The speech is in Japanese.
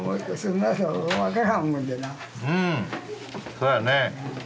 そうやね。